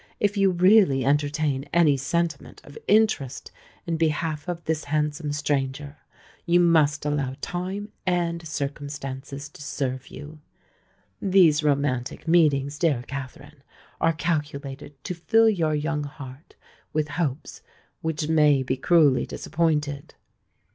If you really entertain any sentiment of interest in behalf of this handsome stranger, you must allow time and circumstances to serve you. These romantic meetings, dear Katherine, are calculated to fill your young heart with hopes which may be cruelly disappointed.